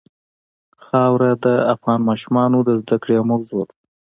خاوره د افغان ماشومانو د زده کړې یوه موضوع ده.